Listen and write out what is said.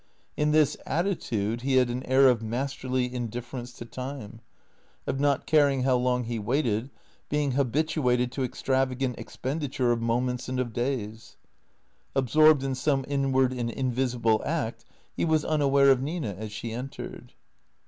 In this attitude he had an air of masterly indifference to time, of not caring how long he waited, being habituated to extravagant expenditure of mo ments and of days. Absorbed in some inward and invisible act, he was unaware of Nina as she entered.